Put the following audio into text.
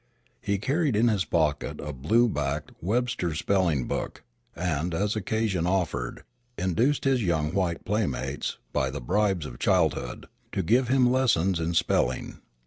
He carried in his pocket a blue backed Webster's Spelling Book, and, as occasion offered, induced his young white playmates, by the bribes of childhood, to give him lessons in spelling.